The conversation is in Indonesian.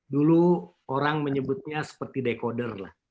dulu orang menyebutnya seperti decoder